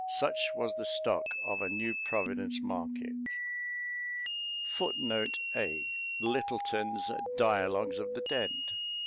Such was the stock of a New Providence market. [Footnote A: Lyttleton's "Dialogues of the Dead."